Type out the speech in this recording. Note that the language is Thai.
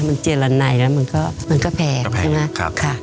มันเจรนัยแล้วมันก็มันก็แพงใช่ไหมครับค่ะ